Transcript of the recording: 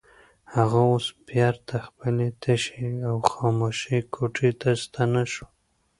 هغه اوس بېرته خپلې تشې او خاموشې کوټې ته ستنه شوه.